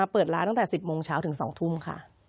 เปิดร้านตั้งแต่๑๐โมงเช้าถึง๒ทุ่มค่ะ